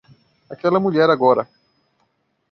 Aquela mulher agora